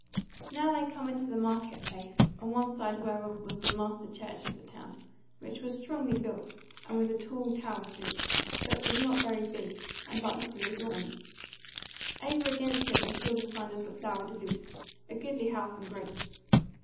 Now they come into the market place, on one side whereof was the master church of the town, which was strongly built and with a tall tower to it, but was not very big, and but little adorned. Over against it they saw the sign of the Flower de Luce, a goodly house and great.